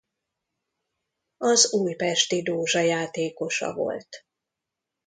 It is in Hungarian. Az Újpesti Dózsa játékosa volt.